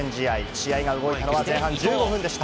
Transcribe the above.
試合が動いたのは前半１５分でした。